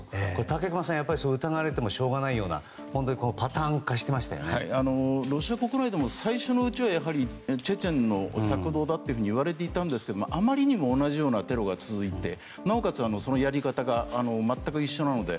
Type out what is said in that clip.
武隈さん、これは疑われてもしょうがないようなロシア国内でも最初のうちはチェチェンの策動だといわれていたんですがあまりにも同じようなテロが続いてなおかつやり方が全く一緒なので